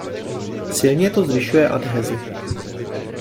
Silně to zvyšuje adhezi.